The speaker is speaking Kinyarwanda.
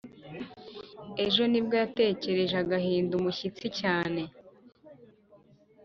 ejo ni bwo yatekereje ahinda umushyitsi cyane